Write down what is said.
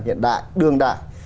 hiện đại đương đại